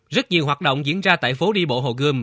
rất nhiều hoạt động diễn ra tại phố đi bộ hồ gươm